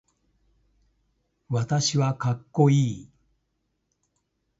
私はかっこいい